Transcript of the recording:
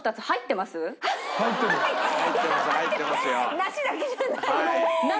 梨だけじゃないので。